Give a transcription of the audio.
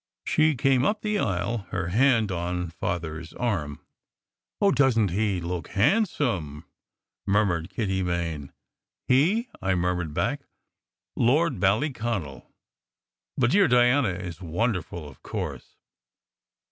She came up the aisle, her hand on Father s arm. " Oh, doesn t he look handsome ?" murmured Kitty Main. "He?" I murmured back. "Lord Ballyconal. But dear Diana is wonderful, of course."